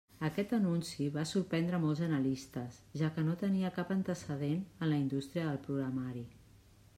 Aquest anunci va sorprendre molts analistes, ja que no tenia cap antecedent en la indústria del programari.